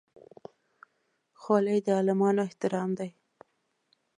خولۍ د عالمانو احترام دی.